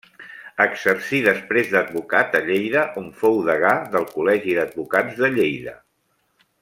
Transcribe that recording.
Exercí després d'advocat a Lleida, on fou degà del Col·legi d'Advocats de Lleida.